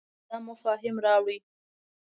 تازه مفاهیم راوړې.